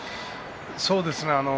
そうですね。